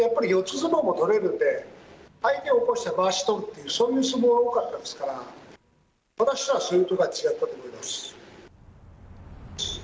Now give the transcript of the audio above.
相撲も取れるんで相手を起こしてまわしを取るっていう相撲もうまかったですから私とは、そういうところが違ったと思います。